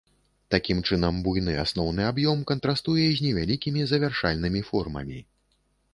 Такім чынам, буйны асноўны аб'ём кантрастуе з невялікімі завяршальнымі формамі.